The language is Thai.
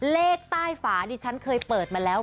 เลขใต้ฝาดิฉันเคยเปิดมาแล้ว